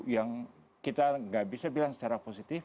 yang kita nggak bisa bilang secara positif